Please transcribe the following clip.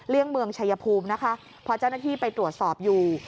เมืองชายภูมินะคะพอเจ้าหน้าที่ไปตรวจสอบอยู่